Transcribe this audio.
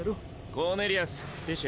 コーネリアスティッシュ。